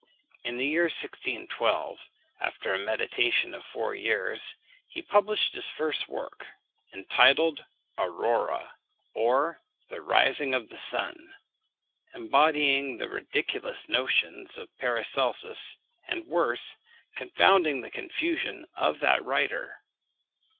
In the year 1612, after a meditation of four years, he published his first work, entitled Aurora, or the Rising of the Sun; embodying the ridiculous notions of Paracelsus, and worse confounding the confusion of that writer.